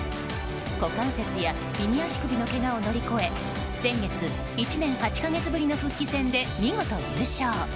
股関節や右足首のけがを乗り越え先月、１年８か月ぶりの復帰戦で見事優勝。